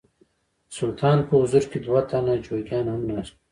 د سلطان په حضور کې دوه تنه جوګیان هم ناست وو.